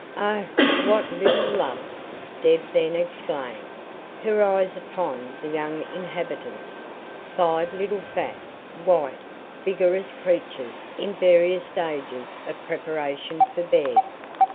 "Oh, what little loves!" Deb then exclaimed, her eyes upon the young inhabitants five little fat, white, vigorous creatures in various stages of preparation for bed.